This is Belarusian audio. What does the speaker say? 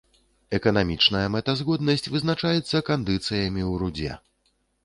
Эканамічная мэтазгоднасць вызначаецца кандыцыямі ў рудзе.